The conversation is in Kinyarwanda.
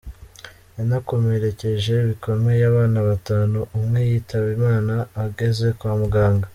Yanakomerekeje bikomeye abana batanu, umwe yitaba Imana ageze kwa muganga.